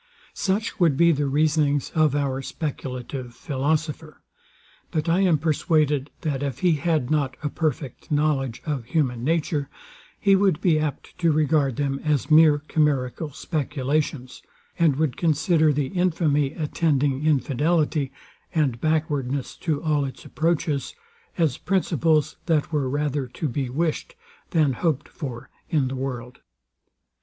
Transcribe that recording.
Such would be the reasonings of our speculative philosopher: But I am persuaded, that if he had not a perfect knowledge of human nature, he would be apt to regard them as mere chimerical speculations, and would consider the infamy attending infidelity, and backwardness to all its approaches, as principles that were rather to be wished than hoped for in the world.